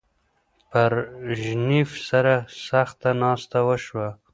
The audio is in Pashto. برژنیف سره سخته ناسته وشوه.